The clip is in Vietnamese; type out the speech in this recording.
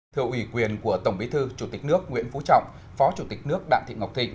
thưa ủy quyền của tổng bí thư chủ tịch nước nguyễn phú trọng phó chủ tịch nước đặng thị ngọc thịnh